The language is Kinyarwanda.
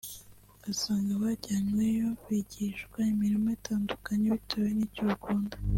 usanga abajyanyweyo bigishwa imirimo itandukanye bitewe n’icyo ukunda